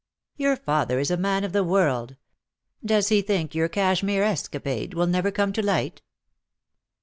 "Your father is a man of the world. Does he think your Cashmere escapade will never come to light?"